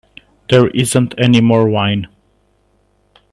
There isn't any more wine.